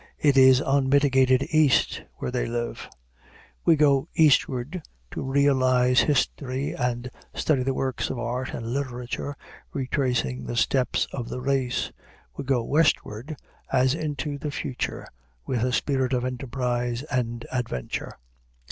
It is unmitigated East where they live. We go eastward to realize history and study the works of art and literature, retracing the steps of the race; we go westward as into the future, with a spirit of enterprise and adventure.